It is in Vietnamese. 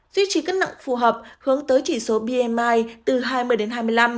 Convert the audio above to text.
duy trì cất nặng phù hợp hướng tới chỉ số bmi từ hai mươi đến hai mươi năm